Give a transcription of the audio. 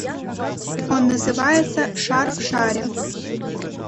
Он называется «Шар в шаре».